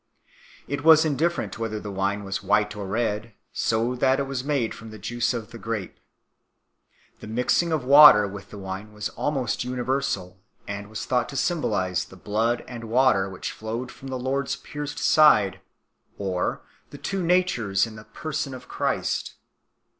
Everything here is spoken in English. It was indifferent whether the wine was white or red, so that it was made from the juice of the grape 2 . The mixing of water with the wine was almost universal, and was thought to symbolize the blood and water which flowed from the Lord s pierced side, or the two Natures in the Person of Christ 3